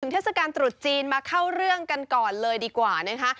เทศกาลตรุษจีนมาเข้าเรื่องกันก่อนเลยดีกว่านะคะ